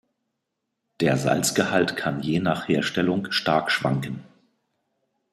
Der Salzgehalt kann je nach Herstellung stark schwanken.